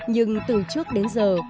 nhưng từ trước đến giờ